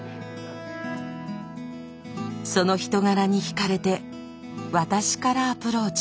その人柄に惹かれて私からアプローチ。